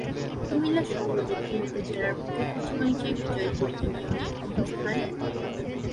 কুমিল্লা সদর দক্ষিণ উপজেলার উত্তর-পশ্চিমাংশে বিজয়পুর ইউনিয়নের অবস্থান।